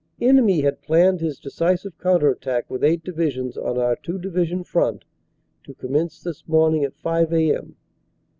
Enemy had planned his decisive counter attack with eight divisions on our two division front to commence this morning at 5 a.m.